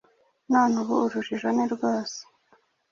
None ubu urujijo ni rwose